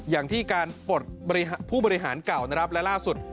อย่างที่การปลดผู้บริหารเก่านะครับและล่าสุด